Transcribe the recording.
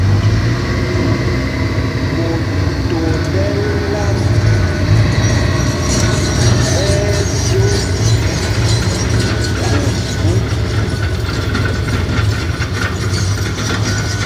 Ɓot o ɗɛ́l am ɓɛ́ ɛ́ do khubú.